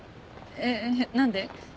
えっ何で？